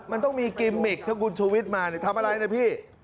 มันต้องมีกิมมิกถ้าคุณชูวิทย์มาทำอะไรนะพี่